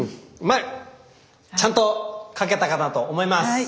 まあちゃんと描けたかなと思います。